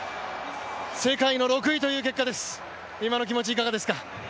世界の６位という結果です、今の気持ちいかがですか？